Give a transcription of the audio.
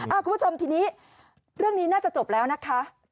คุณผู้ชมทีนี้เรื่องนี้น่าจะจบแล้วนะคะ